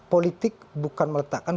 politik bukan meletakkan